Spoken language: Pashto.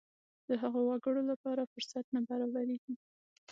د هغو وګړو لپاره فرصت نه برابرېږي.